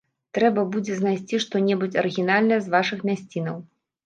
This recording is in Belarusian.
Трэба будзе знайсці што-небудзь арыгінальнае з вашых мясцінаў.